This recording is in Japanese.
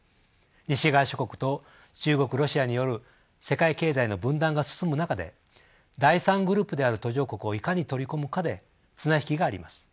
西側諸国と中国ロシアによる世界経済の分断が進む中で第３グループである途上国をいかに取り込むかで綱引きがあります。